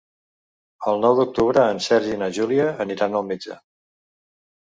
El nou d'octubre en Sergi i na Júlia aniran al metge.